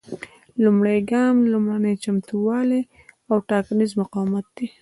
لومړی ګام لومړني چمتووالي او ټاکنیز مقاومت دی.